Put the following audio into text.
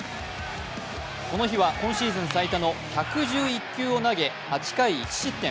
この日は今シーズン最多の１１１球を投げ８回１失点。